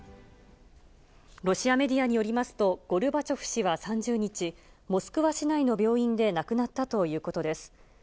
ロシアメディアによりますと、ゴルバチョフ氏は３０日、モスクワ市内の病院で亡くなったということです。